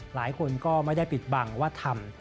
หลายคนก็ไม่ได้ปิดบังว่าทำ